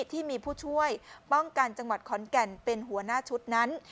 ที่มีผู้ช่วยป้องกันจังหวัดขอนแก่นเป็นหัวหน้าชุดนั้น